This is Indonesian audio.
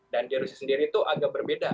dan di rusia sendiri itu agak berbeda